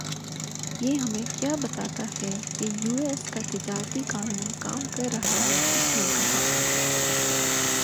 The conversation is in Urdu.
یہ ہمیں کِیا بتاتا ہے کہ یوایس کا تجارتی قانون کام کر رہا ہے اس نے کہا